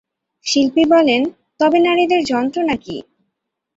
শিল্পী বলেন, 'তবে নারীদের যন্ত্রণা কী?'